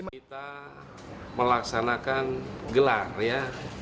kita melaksanakan gelar ya